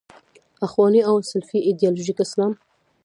اخواني او سلفي ایدیالوژیک اسلام.